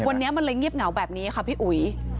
วันนี้มันเลยเงียบเหงาแบบนี้ค่ะพี่อุ๋ย